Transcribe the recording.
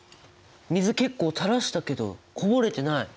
水結構たらしたけどこぼれてない！